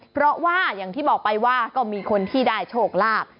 เพราะว่าอย่างที่บอกไปว่าก็มีคนที่ได้โชคลาภ